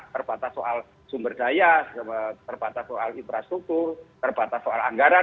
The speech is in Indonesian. terbatas soal sumber daya terbatas soal infrastruktur terbatas soal anggaran